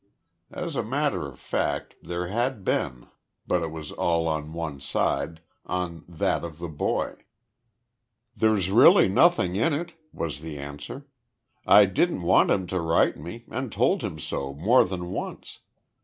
As a matter of fact there had been, but it was all on one side on that of the boy. "There's really nothing in it," was the answer, "I didn't want him to write to me, and told him so more than once.